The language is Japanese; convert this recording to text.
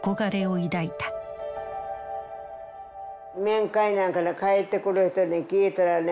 面会なんかに帰ってくる人に聞いたらね